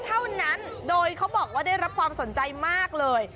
เท่านั้นโดยเขาบอกว่าได้รับความสนใจมากเลย